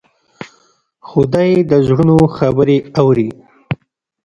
خدای د زړونو خبرې اوري.